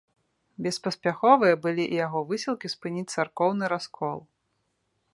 Беспаспяховыя былі і яго высілкі спыніць царкоўны раскол.